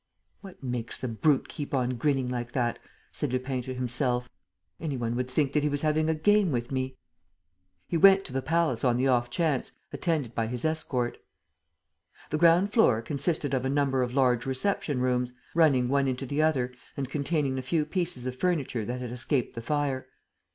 "What makes the brute keep on grinning like that?" said Lupin to himself. "Any one would think that he was having a game with me." He went to the palace on the off chance, attended by his escort. The ground floor consisted of a number of large reception rooms, running one into the other and containing the few pieces of furniture that had escaped the fire.